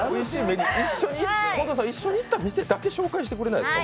近藤さん、一緒に行った店だけ紹介してくれないですか？